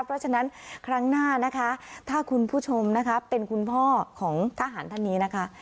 เพราะฉะนั้นครั้งหน้านะคะถ้าคุณผู้ชมนะคะเป็นคุณพ่อของทหารท่านนี้นะคะ